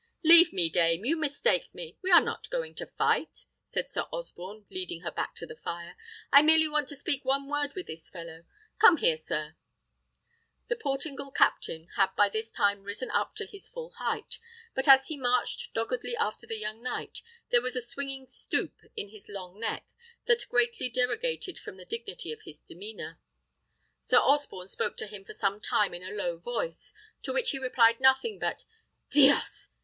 "Leave me, dame; you mistake me. We are not going to fight," said Sir Osborne, leading her back to the fire; "I merely want to speak one word to this fellow. Come here, sir!" The Portingal captain had by this time risen up to his full height; but as he marched doggedly after the young knight, there was a swinging stoop in his long neck that greatly derogated from the dignity of his demeanour. Sir Osborne spoke to him for some time in a low voice, to which he replied nothing but "Dios!